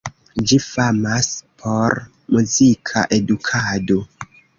Ĝi famas por muzika edukado.